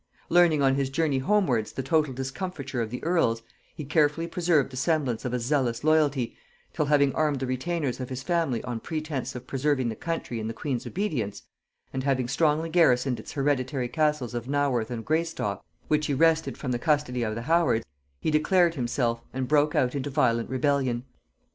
Learning on his journey homewards the total discomfiture of the earls, he carefully preserved the semblance of a zealous loyalty, till, having armed the retainers of his family on pretence of preserving the country in the queen's obedience, and having strongly garrisoned its hereditary castles of Naworth and Greystock, which he wrested from the custody of the Howards, he declared himself, and broke out into violent rebellion.